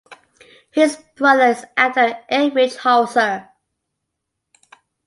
His brother is actor Erich Hauser.